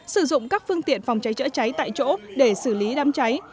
sử dụng các phương tiện phòng cháy chữa cháy tại chỗ để xử lý đám cháy